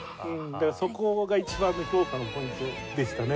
そこが一番の評価のポイントでしたね。